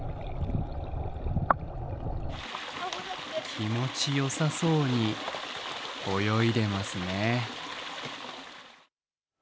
気持ちよさそうに泳いでますね。